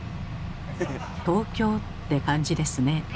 東京って感じですね。